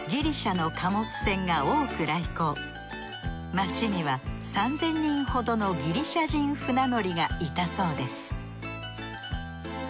街には３，０００人ほどのギリシャ人船乗りがいたそうです